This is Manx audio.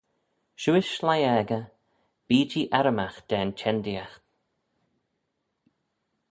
Shiuish sleih aegey, bee-jee arrymagh da'n çhenndeeaght.